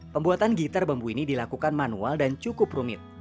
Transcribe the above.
pembuatan gitar bambu ini dilakukan manual dan cukup rumit